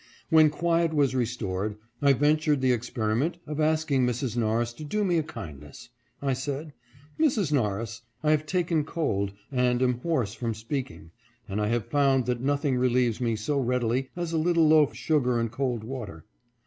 When quiet was restored, I ventured the experiment of asking Mrs. Norris to do me a kindness. I said, " Mrs. 558 KINDNESS CONQUERS DISLIKE. Norris, I have taken cold, and am hoarse from speaking, and I have found that nothing relieves me so readily as a little loaf sugar and cold water."